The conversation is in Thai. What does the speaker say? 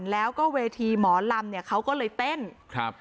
แล้วก็เวทีหมอลำเนี่ยเขาก็เลยเต้นครับ